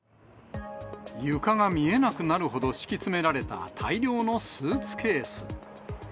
床が見えなくなるほど敷き詰められた大量のスーツケース。